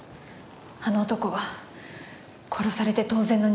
あの男は殺されて当然の人間なんです。